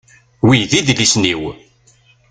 Wi d idlisen-iw.